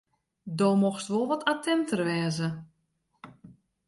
Do mochtst wol wat attinter wêze.